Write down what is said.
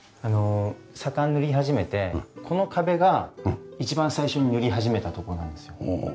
あの左官塗り始めてこの壁が一番最初に塗り始めた所なんですよ。